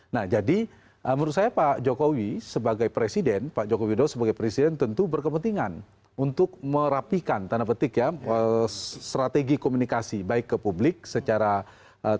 nah jadi menurut saya pak jokowi sebagai presiden pak jokowi dodo sebagai presiden tentu berkepentingan untuk merapikan tanda petik ya strategi komunikasi baik ke publik secara terbuka